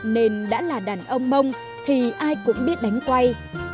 nên đã là đàn ông mông thì ai cũng biết đánh quay